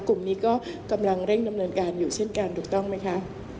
กลุ่มนี้ก็กำลังเร่งดำเนินการอยู่เช่นกันถูกต้องไหมคะ